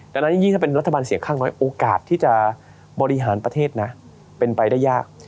ดังนั้นยิ่งถ้าเป็นรัฐบาลเสียงข้างน้อยโอกาสที่จะบริหารประเทศนะเป็นไปได้ยาก